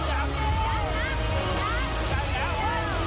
ได้ผู้โชคดีแล้ว